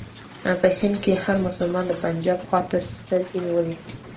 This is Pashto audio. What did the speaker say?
په هند کې هر مسلمان د پنجاب خواته سترګې نیولې.